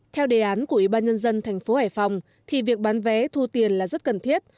theo đề án của ủy ban nhân dân thành phố hải phòng thì việc bán vé thu tiền là rất cần thiết